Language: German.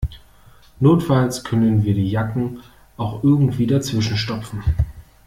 Notfalls können wir die Jacken auch irgendwie dazwischen stopfen.